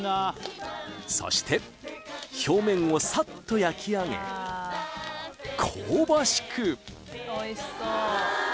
そして表面をさっと焼き上げ香ばしく！